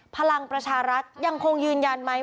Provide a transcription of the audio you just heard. พลังประชารัฐยังคงยืนยันไหม